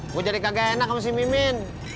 gue jadi kagak enak sama si mimin